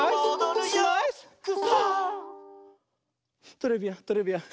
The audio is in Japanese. トレビアントレビアン。